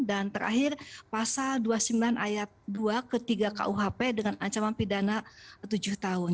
dan terakhir pasal dua puluh sembilan ayat dua ke tiga kuhp dengan ancaman pidana tujuh tahun